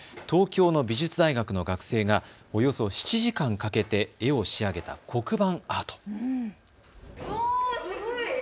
東京の美術大学の学生がおよそ７時間かけて絵を仕上げた黒板アート。